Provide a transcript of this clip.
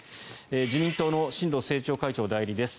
自民党の新藤政調会長代理です。